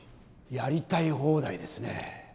やりたい放題ですね。